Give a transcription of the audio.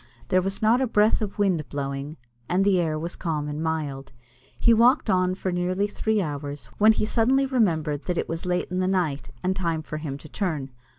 There was not a breath of wind blowing, and the air was calm and mild. He walked on for nearly three hours, when he suddenly remembered that it was late in the night, and time for him to turn.